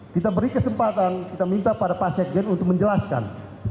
kita beri kesempatan kita minta pada pak sekjen untuk menjelaskan